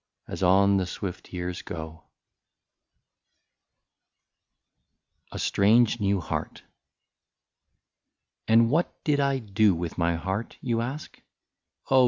As on the swift years go ? 55 A STRANGE NEW HEART. " And what did I do with my heart, you ask ?— Oh !